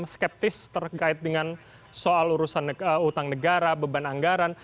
skeptis terkait dengan soal urusan utang negara beban anggaran